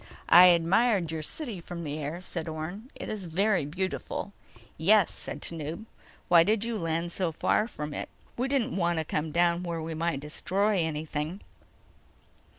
"I admired your city from the air," said Orne. "It is very beautiful." "Yes," said Tanub. "Why did you land so far from it?" "We didn't want to come down where we might destroy anything."